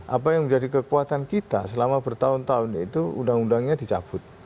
apa yang menjadi kekuatan kita selama bertahun tahun itu undang undangnya dicabut